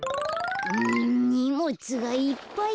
うんにもつがいっぱいだ。